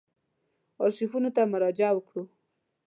آرشیفونو ته مراجعه وکړو.